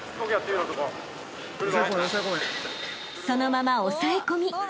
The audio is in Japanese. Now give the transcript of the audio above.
［そのまま抑え込み］